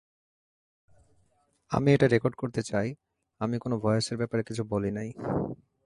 আমি এটা রেকর্ড করতে চাই, আমি কোন ভয়েসের ব্যাপারে কিছু বলি নাই।